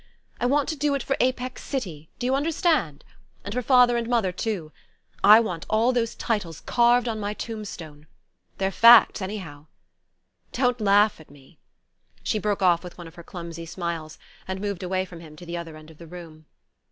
I want to do it for Apex City; do you understand? And for father and mother too. I want all those titles carved on my tombstone. They're facts, anyhow! Don't laugh at me...." She broke off with one of her clumsy smiles, and moved away from him to the other end of the room.